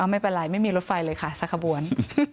ไม่เป็นไรไม่มีรถไฟเลยค่ะสักขบวน